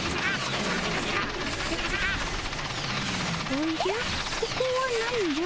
おじゃここはなんじゃ？